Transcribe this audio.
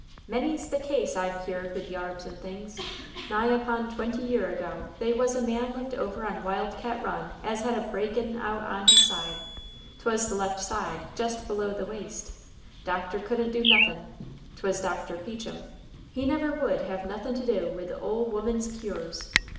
"Many's the case I've cured with yarbs and things. Nigh upon twenty year ago they was a man lived over on Wild Cat Run as had a breakin' out on his side. 'Twas the left side, jes below the waist. Doctor couldn't do nothin'. 'Twas Doctor Peacham. He never would have nothin' to do with 'ole woman's cures.'